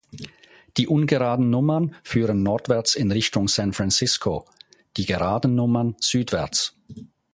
Die ungeraden Nummern führen nordwärts in Richtung San Francisco, die geraden Nummern südwärts.